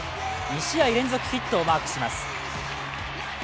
２試合連続ヒットをマークします。